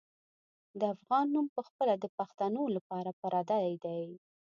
د افغان نوم پخپله د پښتنو لپاره پردی دی.